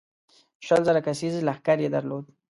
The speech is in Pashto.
شل زره کسیز لښکر یې درلود.